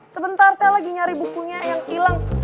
sebentar saya lagi nyari bukunya yang hilang